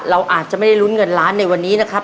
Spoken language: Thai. เราอาจจะไม่ได้ลุ้นเงินล้านในวันนี้นะครับ